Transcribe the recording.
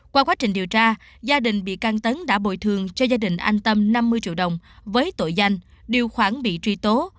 qua quá trình điều tra gia đình bị can tấn đã bồi thường cho gia đình anh tâm năm mươi triệu đồng với tội danh điều khoản bị truy tố